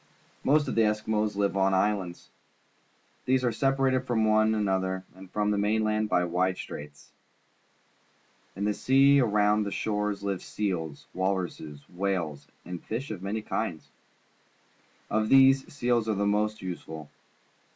Most of the Eskimos live on islands. These are separated from one another and from the mainland by wide straits. In the sea around their shores live seals, walruses, whales, and fish of many kinds. Of these, seals are the most useful.